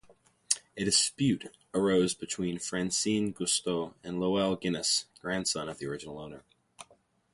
A dispute arose between Francine Cousteau and Loel Guinness, grandson of the original owner.